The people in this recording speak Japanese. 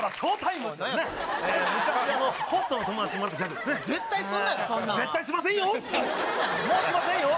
もうしませんよ。